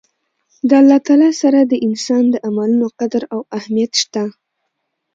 د الله تعالی سره د انسان د عملونو قدر او اهميت شته